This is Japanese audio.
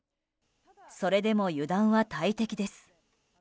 それでも油断は大敵です。